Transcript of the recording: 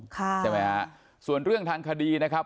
ใช่ไหมฮะส่วนเรื่องทางคดีนะครับ